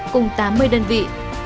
cùng tám mươi đơn vị